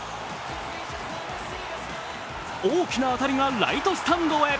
大きな当たりがライトスタンドへ。